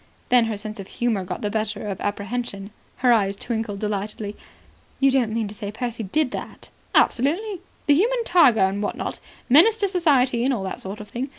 Then her sense of humour got the better of apprehension. Her eyes twinkled delightedly. "You don't mean to say Percy did that?" "Absolutely. The human tiger, and what not. Menace to Society and all that sort of thing.